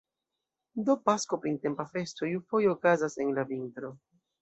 Do Pasko, printempa festo, iufoje okazis en la vintro!